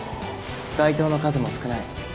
街灯の数も少ない。